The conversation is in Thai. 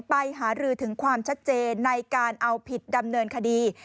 หารือถึงความชัดเจนในการเอาผิดดำเนินคดี